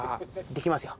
できますよ。